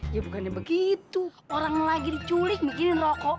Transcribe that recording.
ya bukannya begitu orang lagi diculik mikirin rokok